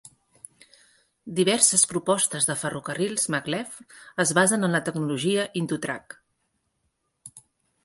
Diverses propostes de ferrocarrils maglev es basen en la tecnologia Indutrack.